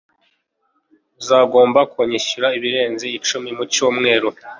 Uzagomba kunyishyura ibirenze icumi mu cyumweru